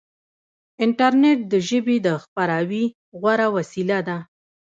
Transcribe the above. انټرنیټ د ژبې د خپراوي غوره وسیله ده.